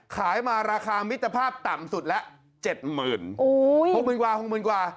ขายมาราคามิตรภาพต่ำสุดละเจ็ดหมื่นหกหมื่นกว่าหกหมื่นกว่า